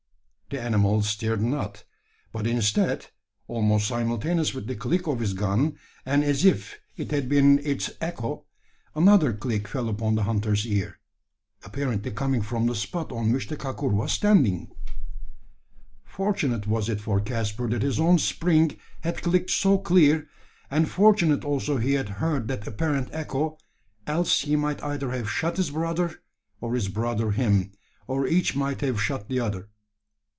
The animal stirred not; but instead almost simultaneous with the click of his gun, and as if it had been its echo another click fell upon the hunter's ear, apparently coming from the spot on which the kakur was standing! Fortunate was it for Caspar that his own spring had clicked so clear and fortunate also he had heard that apparent echo else he might either have shot his brother, or his brother him, or each might have shot the other!